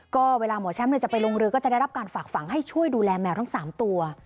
ก็เวลาหมอแชมป์จะไปลงเรือก็จะได้รับการฝากฝังให้ช่วยดูแลแมวทั้ง๓ตัว